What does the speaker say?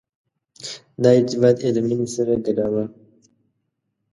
دا ارتباط یې له مینې سره ګډاوه.